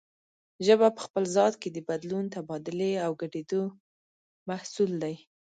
ژبه په خپل ذات کې د بدلون، تبادلې او ګډېدو محصول دی